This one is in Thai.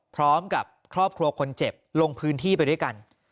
พร้อมกับครอบครัวคนเจ็บลงพื้นที่ไปด้วยกัน